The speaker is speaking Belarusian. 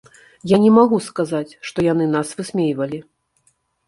Я не магу сказаць, што яны нас высмейвалі.